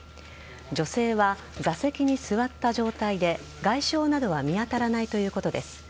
女性は座席に座った状態で外傷などは見当たらないということです。